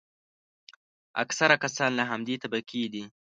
اکثره کسان له همدې طبقې دي.